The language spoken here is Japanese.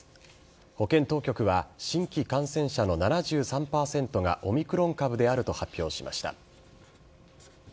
保健当局は、新規感染者の７３％が、オミクロン株であると発表しました。